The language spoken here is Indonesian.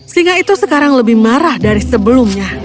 singa itu sekarang lebih marah dari sebelumnya